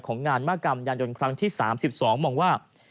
งานมหากรรมยานยนต์ครั้งที่๓๒มองว่า